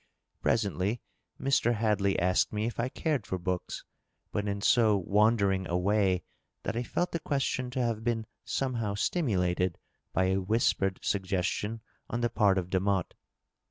Presently Mr. Hadley asked me if I cared for books, but in so wander ing a way that I felt the question to have been somehow stimulated by a whispered suggestion on the part of Demotte.